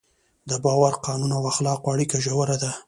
د باور، قانون او اخلاقو اړیکه ژوره ده.